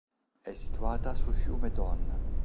È situata sul fiume Don.